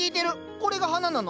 これが花なの？